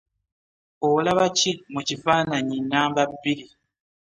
Olaba ki mu kifaananyi namba bbiri?